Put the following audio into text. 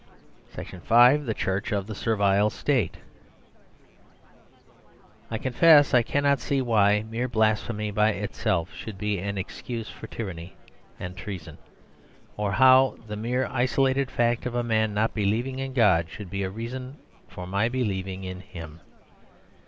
V. THE CHURCH OF THE SERVILE STATE I confess I cannot see why mere blasphemy by itself should be an excuse for tyranny and treason; or how the mere isolated fact of a man not believing in God should be a reason for my believing in Him.